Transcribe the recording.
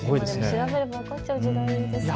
調べれば分かっちゃう時代ですからね。